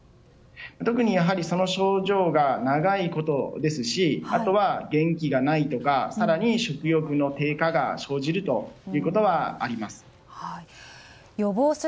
特に、症状が長いことですしあとは、元気がないとか更に食欲の低下が生じるということはあります。